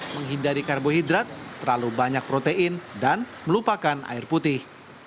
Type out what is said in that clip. menghindari karbohidrat terlalu banyak protein dan melupakan air putih